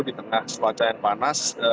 di tengah cuaca yang panas